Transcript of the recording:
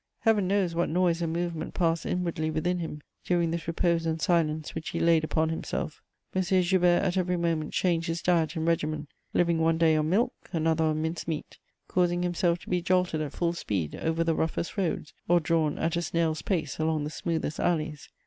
Heaven knows what noise and movement passed inwardly within him during this repose and silence which he laid upon himself. M. Joubert at every moment changed his diet and regimen, living one day on milk, another on minced meat, causing himself to be jolted at full speed over the roughest roads, or drawn at a snail's pace along the smoothest alleys.